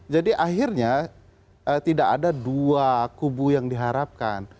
jadi akhirnya tidak ada dua kubu yang diharapkan